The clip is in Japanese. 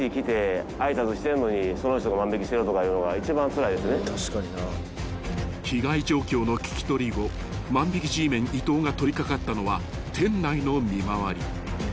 ［さらにこの中には］［被害状況の聞き取り後万引Ｇメン伊東が取り掛かったのは店内の見回り］